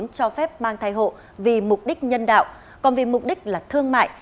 cho phép mang thai hộ vì mục đích nhân đạo còn vì mục đích là thương mại